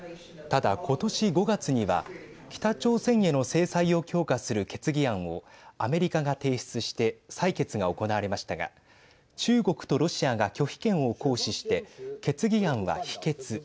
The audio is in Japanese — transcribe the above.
ただ、今年５月には北朝鮮への制裁を強化する決議案をアメリカが提出して採決が行われましたが中国とロシアが拒否権を行使して決議案は否決。